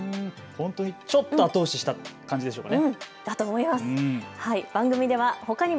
本当ちょっと後押しした感じですかね。